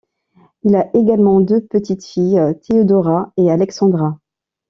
Il a également deux petites-filles, Theodora et Alexandra.